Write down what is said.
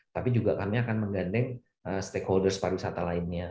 tapi juga kami akan menggandeng stakeholders pariwisata lainnya